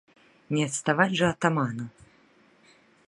Не адставаць жа атаману?